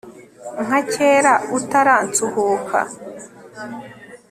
nka cyera utaransuhuka